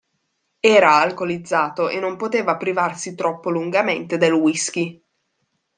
Era alcolizzato e non poteva privarsi troppo lungamente del whisky.